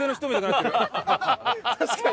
確かに。